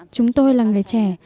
chúng tôi là người trẻ